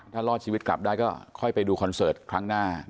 ถ้ารอดชีวิตกลับได้ก็ค่อยไปดูคอนเสิร์ตครั้งหน้า